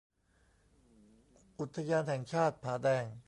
อุทยานแห่งชาติผาแดง